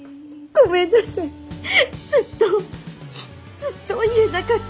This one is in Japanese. ずっとずっと言えなかった。